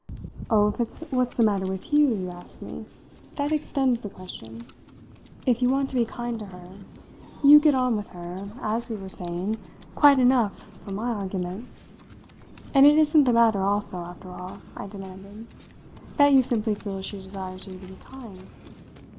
"Oh, if it's what's the matter with you you ask me, that extends the question. If you want to be kind to her, you get on with her, as we were saying, quite enough for my argument. And isn't the matter also, after all," I demanded, "that you simply feel she desires you to be kind?"